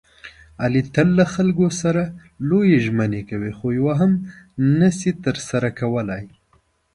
علي تل له خلکو سره لویې ژمنې کوي، خویوه هم نشي ترسره کولی.